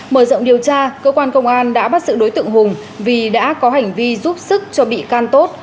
mở rộng điều tra cơ quan công an đã bắt sự đối tượng hùng vì đã có hành vi giúp sức cho bị can tốt